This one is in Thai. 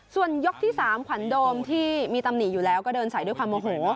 ส่วนยกที่๓ขวัญโดมที่มีตำหนิอยู่แล้วก็เดินใส่ด้วยความโมโห